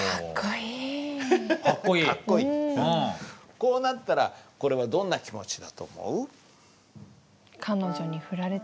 こうなったらこれはどんな気持ちだと思う？